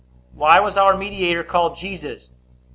Why was our mediator called Jesus?